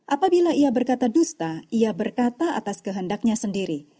apabila ia berkata dusta ia berkata atas kehendaknya sendiri